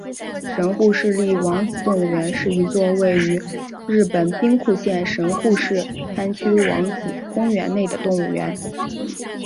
神户市立王子动物园是一座位于日本兵库县神户市滩区王子公园内的动物园。